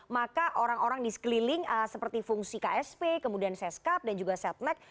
maka orang orang di sekeliling seperti fungsi ksp kemudian seskap dan juga setnek